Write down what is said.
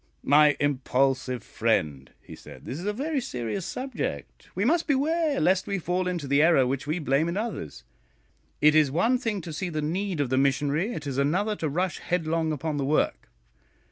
"My impulsive friend," he said, "this is a very serious subject; we must beware lest we fall into the error which we blame in others. It is one thing to see the need of the missionary, it is another to rush headlong upon the work.